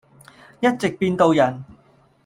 一直變到人。